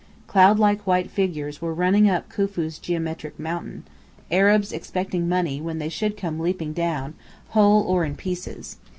Cloudlike white figures were running up Khufu's geometric mountain; Arabs expecting money when they should come leaping down, whole or in pieces.